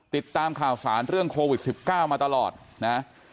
ติดตามข่าวสารเรื่องโควิด๑๙มาตลอดนะ